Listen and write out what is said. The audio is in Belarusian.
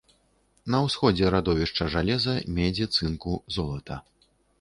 На усходзе радовішча жалеза, медзі, цынку, золата.